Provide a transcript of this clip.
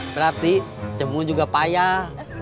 berarti cemun juga payah